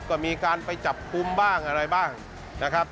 ก็มีการไปจับกลุ่มบ้างอะไรบ้างนะครับ